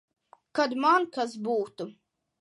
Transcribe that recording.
Kad man kas būtu.